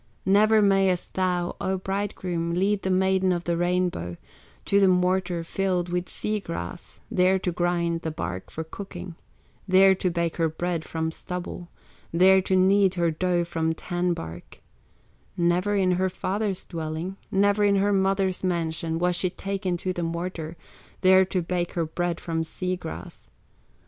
Never mayest thou, O bridegroom, Lead the Maiden of the Rainbow To the mortar filled with sea grass, There to grind the bark for cooking, There to bake her bread from stubble, There to knead her dough from tan bark Never in her father's dwelling, Never in her mother's mansion, Was she taken to the mortar, There to bake her bread from sea grass.